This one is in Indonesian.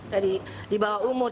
dari usia sembilan tahun